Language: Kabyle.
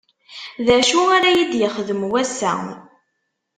D acu ara yi-d-yexdem wass-a.